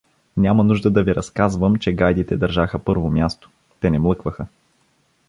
Няма нужда да ви разказвам, че гайдите държаха първо място; те не млъкваха.